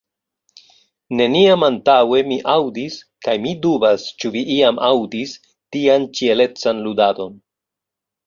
Neniam antaŭe mi aŭdis kaj mi dubas, ĉu vi iam aŭdis tian ĉielecan ludadon.